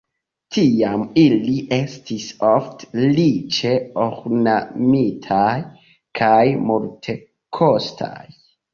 Tiam ili estis ofte riĉe ornamitaj kaj multekostaj.